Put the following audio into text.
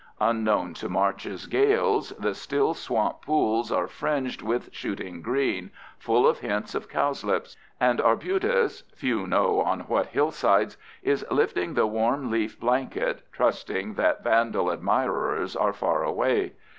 Unknown to March's gales, the still swamp pools are fringed with shooting green, full of hints of cowslips; and arbutus—few know on what hillsides—is lifting the warm leaf blanket, trusting that vandal admirers are far away.